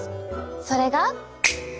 それが。